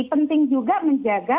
penting juga menjaga